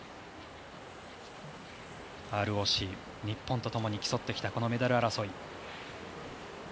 ＲＯＣ、日本とともに競ってきたメダル争い。